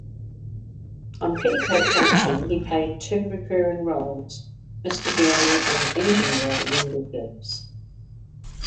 On "Petticoat Junction" he played two recurring roles: "Mr. Guerney" and engineer "Wendell Gibbs".